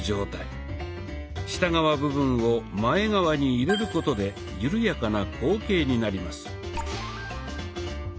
下側部分を前側に入れることで緩やかな後傾になります。